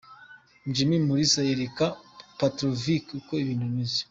Jimmy Mulisa yereka Petrovic uko ibintu bimeze.